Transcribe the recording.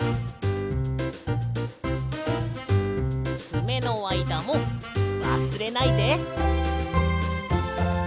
つめのあいだもわすれないで！